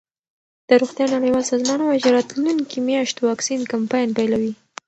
د روغتیا نړیوال سازمان وايي چې راتلونکې میاشت واکسین کمپاین پیلوي.